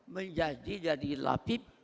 menjadi jadi lapip